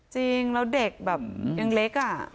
จริงแล้วเด็กแบบยังเล็กอะ